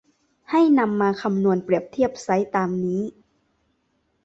ให้นำมาคำนวณเปรียบเทียบไซซ์ตามนี้